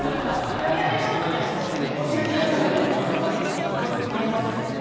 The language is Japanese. やっぱり格好良く見えますよね。